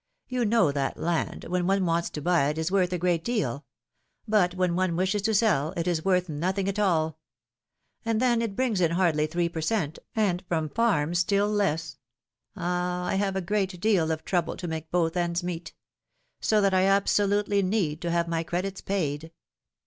You know that land, when one wants to buy it, is worth a great deal ; but when one wishes to sell, it is worth nothing at all. And then it brings in hardly three per cent., and from farms still less. Ah ! I have a great deal of trouble to make both ends meet ! So that I absolutely need to have my credits paid.